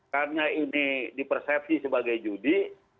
karena ini di persepsi sebagai judi